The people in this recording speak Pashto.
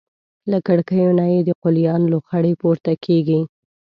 له کړکیو نه یې د قلیان لوخړې پورته کېږي.